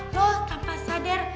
lo tanpa sadar